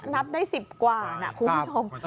นับได้๑๐กว่านะคุณผู้ชม